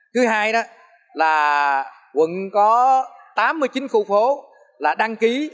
thứ hai đó là quận có tám mươi chín khu phố là đăng ký